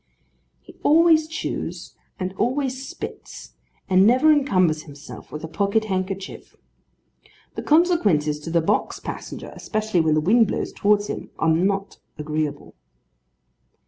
He always chews and always spits, and never encumbers himself with a pocket handkerchief. The consequences to the box passenger, especially when the wind blows towards him, are not agreeable.